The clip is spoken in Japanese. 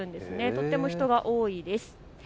とっても人が多いです。